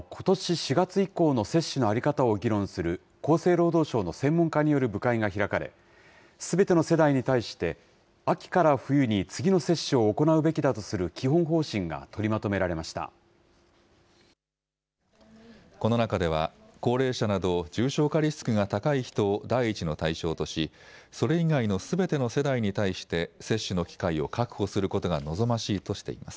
４月以降の接種の在り方を議論する厚生労働省の専門家による部会が開かれ、すべての世代に対して、秋から冬に次の接種を行うべきだとする基本方針が取りまとめられこの中では、高齢者など重症化リスクが高い人を第一の対象とし、それ以外のすべての世代に対して、接種の機会を確保することが望ましいとしています。